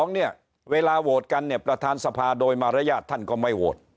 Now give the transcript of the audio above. เนี่ยเวลาโหวตกันเนี่ยประธานสภาโดยมารยาทท่านก็ไม่โหวต